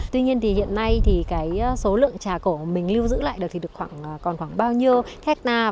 tuy nhiên thì hiện nay thì cái số lượng trà cổ mình lưu giữ lại được thì được khoảng bao nhiêu hectare